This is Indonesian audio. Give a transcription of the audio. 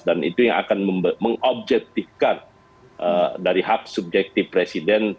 itu yang akan mengobjektifkan dari hak subjektif presiden